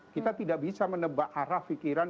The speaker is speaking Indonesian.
kita tidak bisa menebak arah pikiran